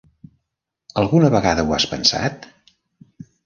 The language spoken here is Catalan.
Alguna vegada ho has pensat?